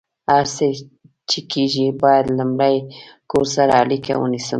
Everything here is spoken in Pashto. هر څه چې کیږي، باید لمړۍ کور سره اړیکه ونیسم